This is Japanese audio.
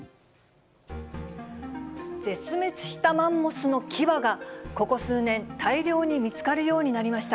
絶滅したマンモスの牙が、ここ数年、大量に見つかるようになりました。